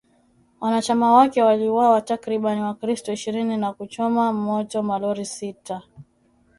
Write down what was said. Wanachama wake waliwauwa takribani wakristo ishirini na kuchoma moto malori sita